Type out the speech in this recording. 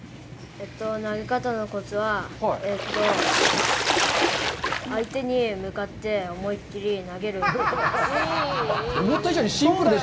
投げ方のコツは、相手に向かって思いきり投げることです。